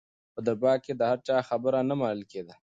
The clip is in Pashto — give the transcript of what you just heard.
په دربار کې د هر چا خبره نه منل کېده.